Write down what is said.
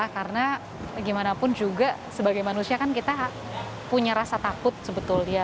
karena bagaimanapun juga sebagai manusia kan kita punya rasa takut sebetulnya